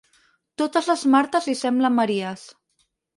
Totes les Martes li semblen Maries.